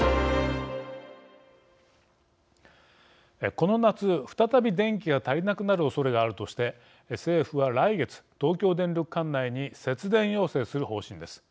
この夏再び電気が足りなくなるおそれがあるとして政府は来月東京電力管内に節電要請する方針です。